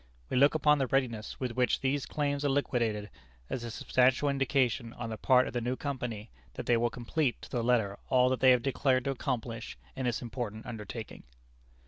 We look upon the readiness with which these claims are liquidated as a substantial indication on the part of the new Company that they will complete to the letter all that they have declared to accomplish in this important undertaking."